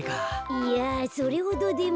いやそれほどでも。